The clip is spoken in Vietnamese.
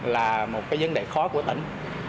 là một vấn đề khó của tỉnh